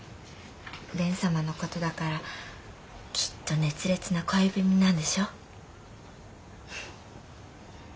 蓮様の事だからきっと熱烈な恋文なんでしょう？